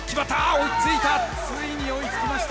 追いついた。